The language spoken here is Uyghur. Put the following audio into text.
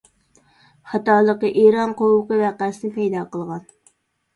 خاتالىقى: ‹ ‹ئىران قوۋۇقى› › ۋەقەسىنى پەيدا قىلغان.